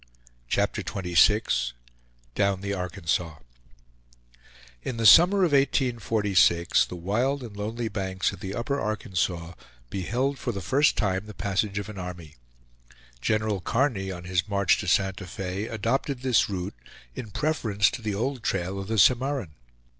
CHAPTER XXVI DOWN THE ARKANSAS In the summer of 1846 the wild and lonely banks of the Upper Arkansas beheld for the first time the passage of an army. General Kearny, on his march to Santa Fe, adopted this route in preference to the old trail of the Cimarron.